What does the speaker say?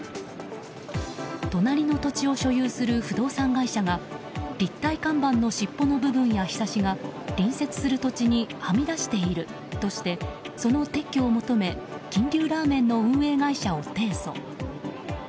隣の土地を所有する不動産会社が立体看板の尻尾の部分やひさしが隣接する土地にはみ出しているとしてその撤去を求め金龍ラーメンの運営会社を提訴。